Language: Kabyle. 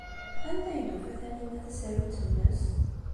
Anda ay d-tufa Taninna tasarut-nnes?